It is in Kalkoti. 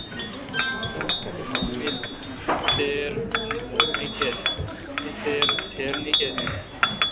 می تیر نیکیتھ۔